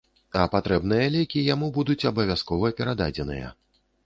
А патрэбныя лекі яму будуць абавязкова перададзеныя.